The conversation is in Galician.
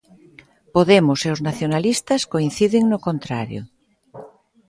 Podemos e os nacionalistas coinciden no contrario.